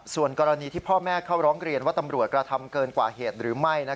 ส่วนกรณีที่พ่อแม่เข้าร้องเรียนว่าตำรวจกระทำเกินกว่าเหตุหรือไม่